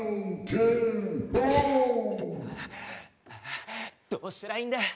ああどうしたらいいんだ！